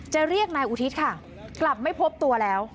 เรียกนายอุทิศค่ะกลับไม่พบตัวแล้ว